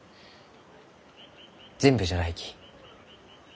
全部じゃないき。